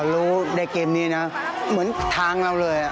รู้ในเกมนี้นะเหมือนทางเราเลย